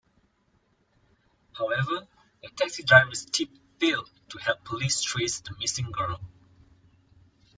However, the taxi driver's tip failed to help police trace the missing girl.